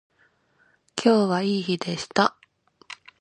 今日はいい日でした